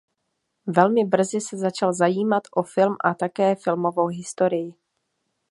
Velmi brzy se začal zajímat o film a také filmovou historii.